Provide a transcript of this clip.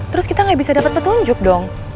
terus kita gak bisa dapat petunjuk dong